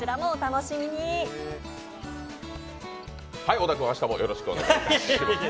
小田君、明日もよろしくお願いします。